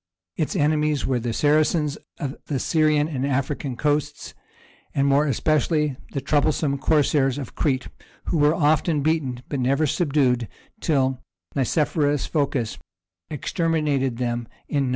Its enemies were the Saracens of the Syrian and African coasts, and more especially the troublesome Corsairs of Crete, who were often beaten but never subdued till Nicephorus Phocas exterminated them in 961.